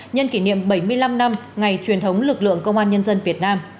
nhân kỷ niệm bảy mươi năm năm ngày truyền thống lực lượng công an nhân dân việt nam